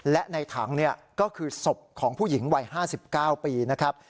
และในถังเนี่ยก็คือศพของผู้หญิงวัยห้าสิบเก้าปีนะครับ